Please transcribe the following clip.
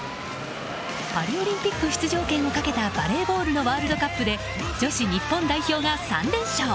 パリオリンピック出場権をかけたバレーボールのワールドカップで女子日本代表が３連勝。